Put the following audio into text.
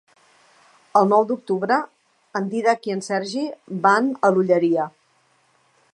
El nou d'octubre en Dídac i en Sergi van a l'Olleria.